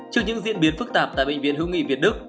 trước những diễn biến phức tạp tại bệnh viện hữu nghị việt đức